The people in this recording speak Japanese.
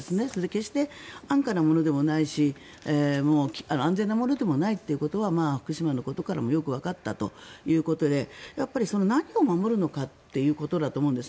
決して安価なものでもないし安全なものでもないということは福島のことからもよくわかったということでやっぱり何を守るのかっていうことだと思うんです。